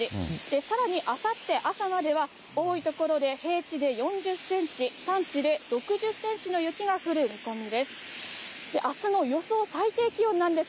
さらにあさって朝までは多い所で平地で４０センチ、山地で６０センチの雪が降る見込みです。